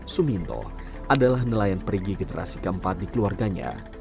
suminto adalah nelayan perigi generasi keempat di keluarganya